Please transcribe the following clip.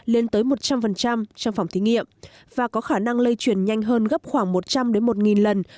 lên tới một trăm linh trong phòng thí nghiệm và có khả năng lây chuyển nhanh hơn gấp khoảng một trăm linh một lần